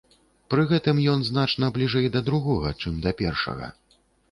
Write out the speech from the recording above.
Пры гэтым ён значна бліжэй да другога, чым да першага.